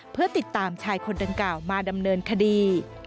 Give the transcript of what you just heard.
เพื่อติดตามชายคนดังกล่าวมาดำเนินคดี